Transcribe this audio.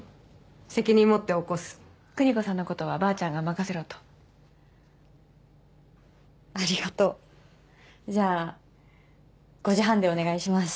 責任持って起こす邦子さんのことはばあちゃんが任せろとありがとうじゃあ５時半でお願いします